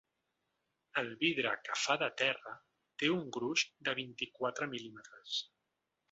El vidre que fa de terra té un gruix de vint-i-quatre mil·límetres.